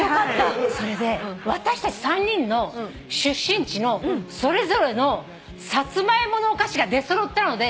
それで私たち３人の出身地のそれぞれのサツマイモのお菓子が出揃ったので。